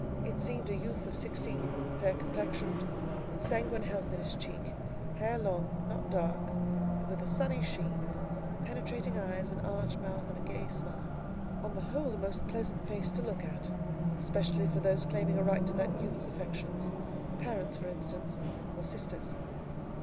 It seemed a youth of sixteen, fair complexioned, with sanguine health in his cheek; hair long, not dark, and with a sunny sheen; penetrating eyes, an arch mouth, and a gay smile. On the whole a most pleasant face to look at, especially for, those claiming a right to that youth's affections—parents, for instance, or sisters.